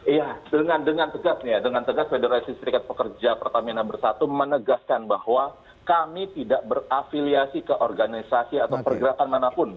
iya dengan tegak nih ya dengan tegak fed pertamina bersatu menegaskan bahwa kami tidak berafiliasi ke organisasi atau pergerakan manapun